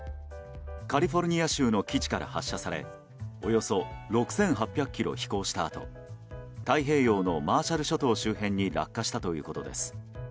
カリフォルニア州の基地から発射されおよそ６８００ｋｍ飛行したあと太平洋のマーシャル諸島周辺に落下したということです。